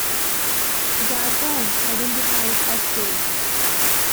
Darkholme identifies as gay.